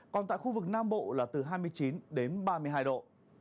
còn tại khu vực nam bộ là từ hai mươi chín đến ba mươi hai độ